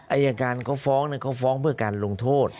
อายการเขาฟ้องเขาฟ้องเพื่อการลงโทษ